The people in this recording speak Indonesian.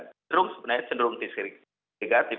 cenderung sebenarnya cenderung segregatif